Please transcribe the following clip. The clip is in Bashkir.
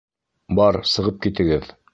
Бар сығып китегеҙ!